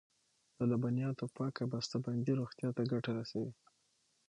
د لبنیاتو پاکه بسته بندي روغتیا ته ګټه رسوي.